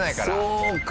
そうか。